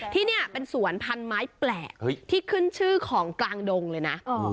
ที่นี่เป็นสวนพันไม้แปลกที่ขึ้นชื่อของกลางดงเลยนะ